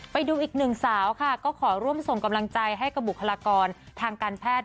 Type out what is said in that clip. ไปดูอีกหนึ่งสาวค่ะก็ขอร่วมส่งกำลังใจให้กับบุคลากรทางการแพทย์